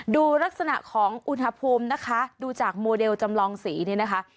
ดูลักษณะของอุณหภูมินะคะดูจากโมเดลจำลองสีนี่นะคะ